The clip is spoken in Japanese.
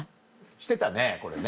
してたねこれね。